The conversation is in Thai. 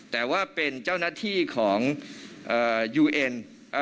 แต่ว่าเป็นเจ้าหน้าที่ของยูเอ็น